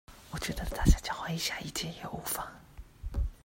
我覺得大家交換一下意見也無妨